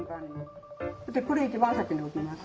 これ一番先に置きます。